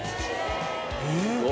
えっ！